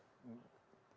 keperdataan itu ujungnya apa